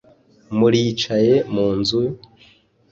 mulicaye mu nzu,